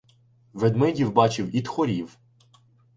Ведмедів бачив і тхорів.